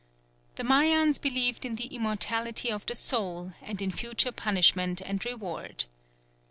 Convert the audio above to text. The Mayans believed in the immortality of the soul, and in future punishment and reward.